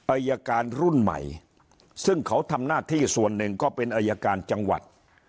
อายการรุ่นใหม่ซึ่งเขาทำหน้าที่ส่วนหนึ่งก็เป็นอายการจังหวัด